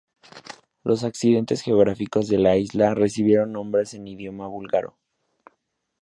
Los accidentes geográficos de la isla recibieron nombres en idioma búlgaro.